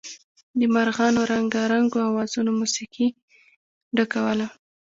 د مارغانو رنګارنګو اوازونو موسيقۍ ډکوله.